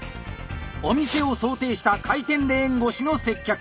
お店を想定した回転レーン越しの接客。